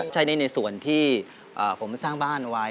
ใช้ในส่วนที่ผมสร้างบ้านไว้